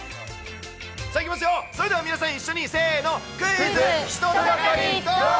さあいきますよ、それでは皆さん一緒に、せーの、クイズ人だかりドン！